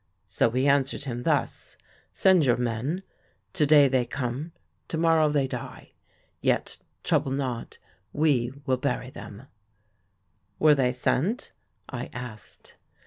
So we answered him thus. 'Send your men. To day they come; to morrow they die yet trouble not; we will bury them.' "'Were they sent?' I asked.